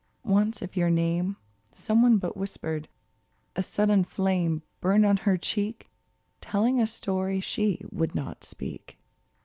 Once if your name Some one but whispered, a sudden flame Burned on her cheek. Telling a story she would not speak